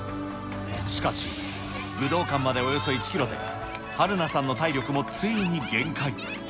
しかし、武道館までおよそ１キロではるなさんの体力も、ついに限界。